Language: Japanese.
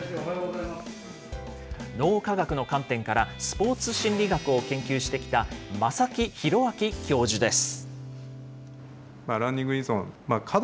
脳科学の観点から、スポーツ心理学を研究してきた正木宏明教授です。